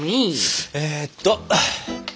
えっと。